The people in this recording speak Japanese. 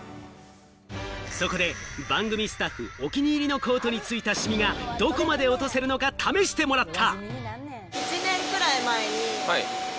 そこで番組スタッフ、お気に入りのコートについたシミがどこまで落とせるのか試してもらった。